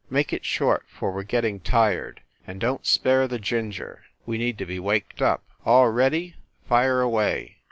Make it short, for we re getting tired. And don t spare the ginger we need to be waked up. All ready fire away